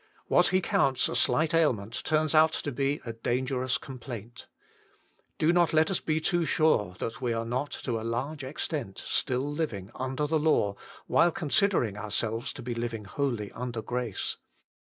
What he counts a slight ailment turns out to be a danger ous complaint. Do not let us be too sure that we are not, to a large extent, still living " under the law," while considering ourselves to be living wholly " under grace."